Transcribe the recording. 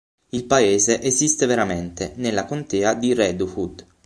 Il paese esiste veramente, nella Contea di Redwood.